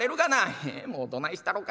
ええもうどないしたろ